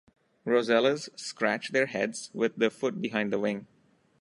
Rosellas scratch their heads with the foot behind the wing.